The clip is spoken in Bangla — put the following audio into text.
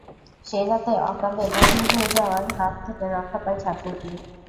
সেই রাতে অকালে বধূ হয়ে যাওয়ার হাত থেকে রক্ষা পায় ছাত্রীটি।